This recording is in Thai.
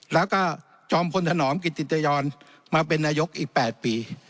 แล้วก็จอมพลถนอมกิติยรมาเป็นนายกอีก๘ปี